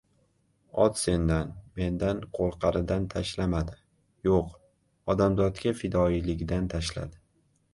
Ot sendan, mendan qo‘rqqanidan tashlamadi, yo‘q, odamzotga fidoyiligidan tashladi!